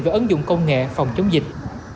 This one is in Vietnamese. về ứng dụng công nghệ phòng chống dịch